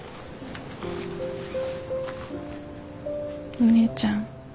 お姉ちゃん。